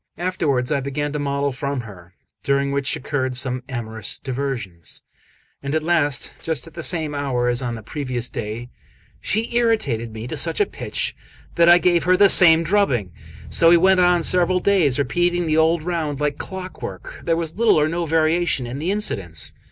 Afterwards I began to model from her, during which occurred some amorous diversions; and at last, just at the same hour as on the previous day, she irritated me to such a pitch that I gave her the same drubbing. So we went on several days, repeating the old round like clockwork. There was little or no variation in the incidents.